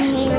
maaf ya neng